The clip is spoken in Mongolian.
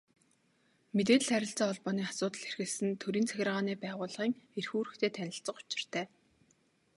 Мэдээлэл, харилцаа холбооны асуудал эрхэлсэн төрийн захиргааны байгууллагын эрх үүрэгтэй танилцах учиртай.